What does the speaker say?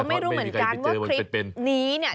ไม่รู้เหมือนกันว่าคลิปนี้เนี่ย